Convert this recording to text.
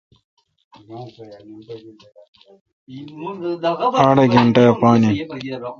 اڑ گینٹہ اے° پان این۔